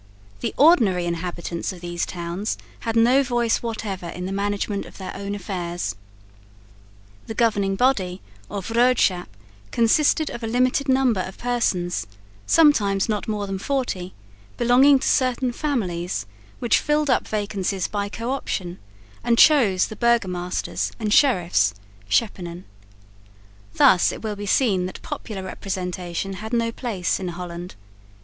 The ordinary inhabitants of these towns had no voice whatever in the management of their own affairs. The governing body or vroedschap consisted of a limited number of persons, sometimes not more than forty, belonging to certain families, which filled up vacancies by co option and chose the burgomasters and sheriffs (schepenen). Thus it will be seen that popular representation had no place in Holland.